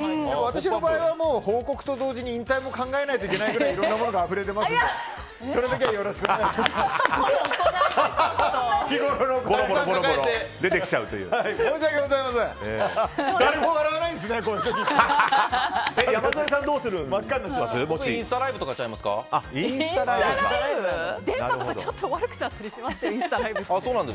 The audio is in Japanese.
私の場合は報告と同時に引退も考えないといけないくらいいろんなものがあふれ出ますのでそれだけはよろしくお願いします。